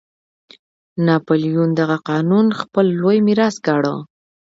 ناپلیون دغه قانون خپل لوی میراث ګاڼه.